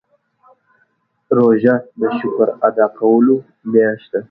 روژه د شکر ادا کولو میاشت ده.